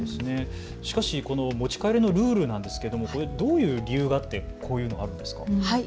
しかし持ち帰りのルールなんですが、どういう理由があってこういうのがあるんですか。